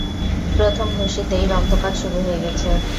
প্রথম ঘষিতেই রক্তপাত শুরু হয়ে গেছে।